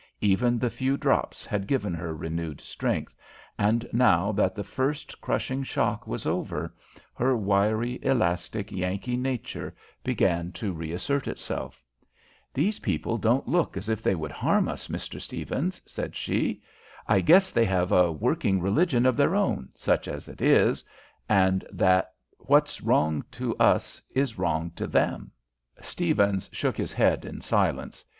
Even the few drops had given her renewed strength, and, now that the first crushing shock was over, her wiry, elastic, Yankee nature began to reassert itself. "These people don't look as if they would harm us, Mr. Stephens," said she. "I guess they have a working religion of their own, such as it is, and that what's wrong to us is wrong to them." Stephens shook his head in silence.